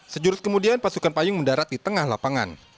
sejurus kemudian pasukan payung mendarat di tengah lapangan